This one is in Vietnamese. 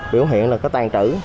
biểu hiện là có tàn trữ